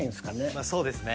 まあそうですね。